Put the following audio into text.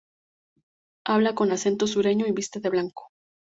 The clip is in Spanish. Habla con acento sureño y viste de blanco.